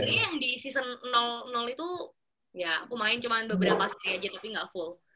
jadi yang di season itu ya aku main cuma beberapa set aja tapi nggak full